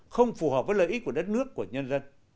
không phù hợp với lợi ích của đất nước của nhân dân